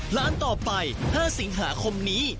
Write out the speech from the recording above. ร้านต่อไป๕สิงหาคมนี้